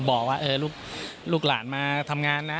บอกว่าลูกหลานมาทำงานนะ